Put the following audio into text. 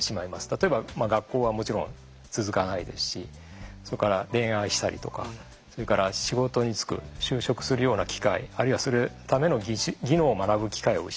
例えば学校はもちろん続かないですしそれから恋愛したりとかそれから仕事に就く就職するような機会あるいはそのための技能を学ぶ機会を失う。